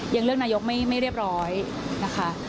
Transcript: ยังเลือกนายกไม่เรียบร้อยนะคะ